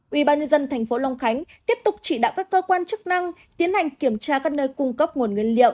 ubnd tp long khánh tiếp tục chỉ đạo các cơ quan chức năng tiến hành kiểm tra các nơi cung cấp nguồn nguyên liệu